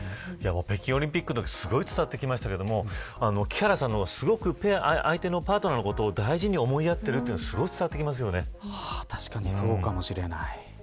北京オリンピックのときすごい伝わってきましたけど木原さんの相手のパートナーのことを大事に思いやってるのが確かにそうかもしれない。